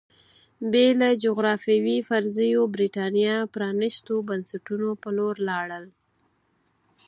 بې له جغرافیوي فرضیو برېټانیا پرانېستو بنسټونو په لور لاړل